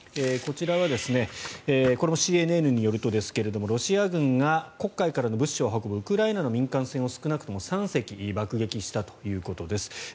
こちらはこれもＣＮＮによるとですがロシア軍が黒海からの物資を運ぶウクライナの民間船を少なくとも３隻爆撃したということです。